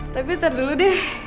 tapi ntar dulu deh